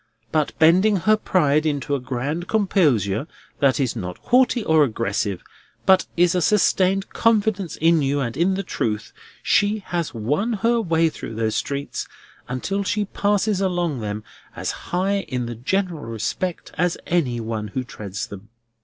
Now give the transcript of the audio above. But bending her pride into a grand composure that is not haughty or aggressive, but is a sustained confidence in you and in the truth, she has won her way through those streets until she passes along them as high in the general respect as any one who treads them.